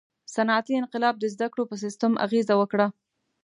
• صنعتي انقلاب د زدهکړو په سیستم اغېزه وکړه.